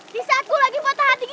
di saat gue lagi patah hati